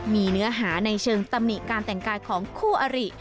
มีเนื้อหาในเชิงตำหนิการแต่งกายของคู่อริ